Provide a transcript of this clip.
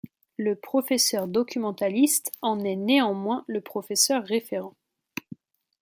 Le professeur documentaliste en est néanmoins le professeur référent.